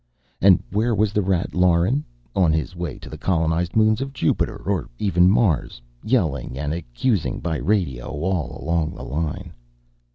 And where was the rat, Lauren? On his way to the colonized moons of Jupiter, or even Mars, yelling and accusing by radio all along the line?